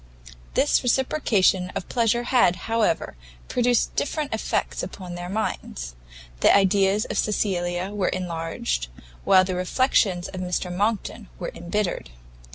This reciprocation of pleasure had, however, produced different effects upon their minds; the ideas of Cecilia were enlarged, while the reflections of Mr Monckton were embittered.